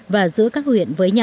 và giữa các huyện